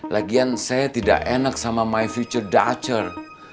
lagian saya tidak enak sama my future dutcher